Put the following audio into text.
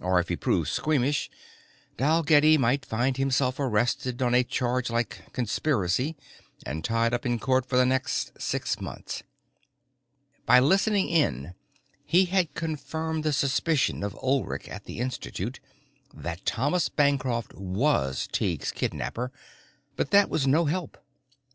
Or, if he proved squeamish, Dalgetty might find himself arrested on a charge like conspiracy and tied up in court for the next six months. By listening in he had confirmed the suspicion of Ulrich at the Institute that Thomas Bancroft was Tighe's kidnapper but that was no help.